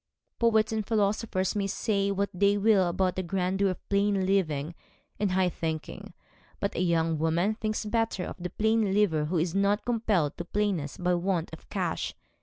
Poets and philosophers may say what they will about the grandeur of plain living and high thinking; but a young woman thinks better of the plain liver who is not compelled to plainness by want of cash.